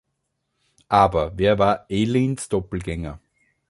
Aber wer war Eileens Doppelgänger.